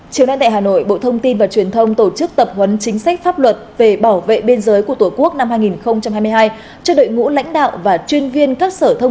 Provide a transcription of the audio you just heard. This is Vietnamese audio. chiều nay tại hà nội bộ thông tin và truyền thông tổ chức tập huấn chính sách pháp luật về bảo vệ biên giới của tổ quốc năm hai nghìn hai mươi hai cho đội ngũ lãnh đạo và chuyên viên các sở thông